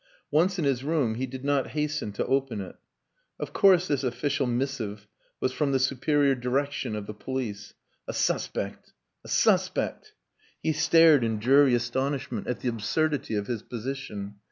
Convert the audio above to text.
Once in his room he did not hasten to open it. Of course this official missive was from the superior direction of the police. A suspect! A suspect! He stared in dreary astonishment at the absurdity of his position.